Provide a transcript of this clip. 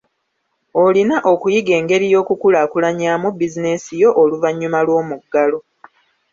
Olina okuyiga engeri y'okukulaakulanyaamu bizinensi yo oluvannyuma lw'omuggalo.